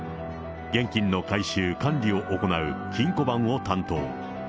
現金の回収、管理を行う金庫番を担当。